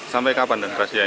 sampai kapan pak